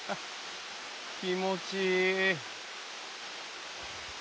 気持ちいい。